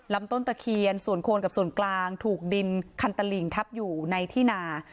ลำต้นตะเคียนส่วนโคนกับส่วนกลางถูกดินคันตลิงทับอยู่ในที่นา